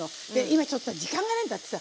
今ちょっとさ時間がないんだってさ。